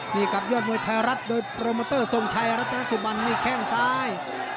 นี่กับยอดมวยไทยรัฐโดยโปรโมเมอเตอร์ส่งไทยรัฐและสุบันมีแข้งซ้าย